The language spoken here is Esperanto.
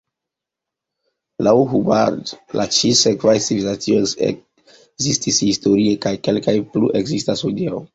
Laŭ Hubbard, la ĉi sekvaj civilizacioj ekzistis historie kaj kelkaj plu ekzistas hodiaŭ.